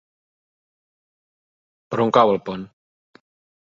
Per on cau Alpont?